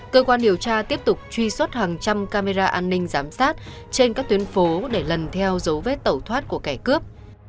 cơ quan điều tra tiếp tục truy xuất hàng trăm camera an ninh giám sát trên các tuyến phố để lần theo dấu vết tẩu thoát của kẻ cướp